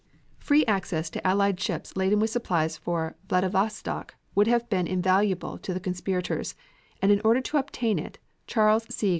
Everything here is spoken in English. Free access to Allied ships laden with supplies for Vladivostok would have been invaluable to the conspirators, and in order to obtain it Charles C.